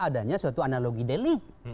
adanya suatu analogi delik